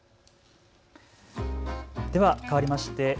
では、かわりまして＃